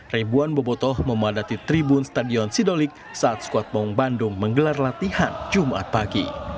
ribuan bobotoh memadati tribun stadion sidolik saat squadbong bandung menggelar latihan jumat pagi